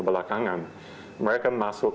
belakangan mereka masuk